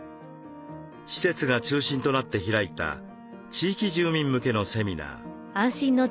施設が中心となって開いた地域住民向けのセミナー。